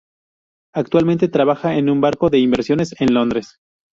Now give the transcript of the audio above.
Actualmente trabaja en un banco de inversiones en Londres.